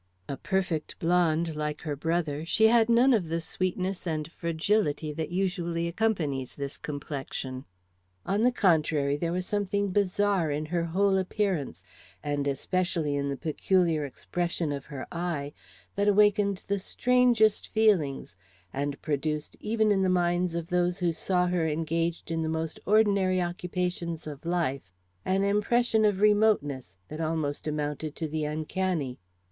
A perfect blonde like her brother, she had none of the sweetness and fragility that usually accompanies this complexion. On the contrary, there was something bizarre in her whole appearance, and especially in the peculiar expression of her eye, that awakened the strangest feelings and produced even in the minds of those who saw her engaged in the most ordinary occupations of life an impression of remoteness that almost amounted to the uncanny.